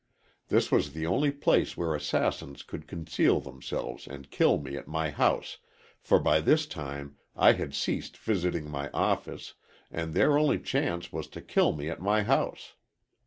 This was the only place where assassins could conceal themselves and kill me at my house, for by this time I had ceased visiting my office, and their only chance was to kill me at my house.